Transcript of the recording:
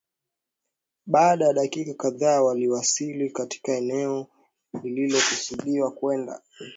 Baada ya dakika kadhaa waliwasili katika eneo walilokusudia kwenda